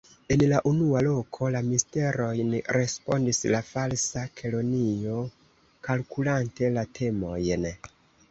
"En la unua loko, la Misterojn," respondis la Falsa Kelonio kalkulante la temojn.